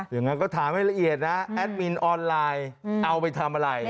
อย่างนั้นก็ถามให้ละเอียดนะแอดมินออนไลน์เอาไปทำอะไร